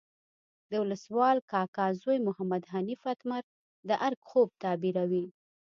د ولسوال کاکا زوی محمد حنیف اتمر د ارګ خوب تعبیروي.